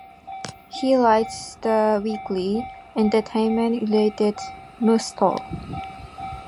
He writes the weekly, entertainment-related Musto!